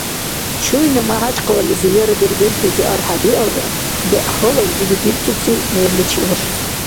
Чуйна МяхӀячкъалализи яра Дербентлизи архӀя биалра, бегӀ гьалав жузи дирцуси мерличи вашус.